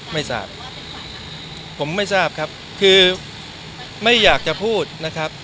ไม่ทราบผมไม่ทราบครับคือไม่อยากจะพูดนะครับ